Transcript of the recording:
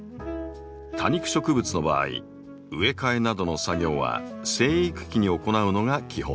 多肉植物の場合植え替えなどの作業は生育期に行うのが基本です。